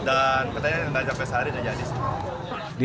dan katanya gak sampai sehari udah jadi